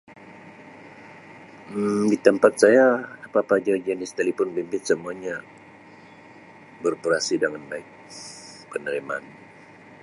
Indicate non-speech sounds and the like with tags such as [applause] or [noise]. Um Di tempat saya apa-apa ja jenis telepon bimbit semuanya beroperasi dengan baik [noise] penerimaan.